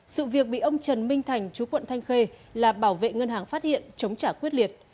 sự việc bị ông trần minh thành chú quận thanh khê là bảo vệ ngân hàng phát hiện chống trả quyết liệt